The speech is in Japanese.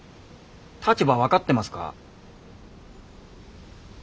立場分かってますか？